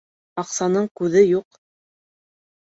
Аҡсаның күҙе юҡ.